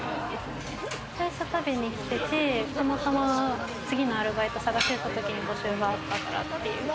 最初食べに来てて、たまたま次のアルバイト探してた時に募集があったっていう。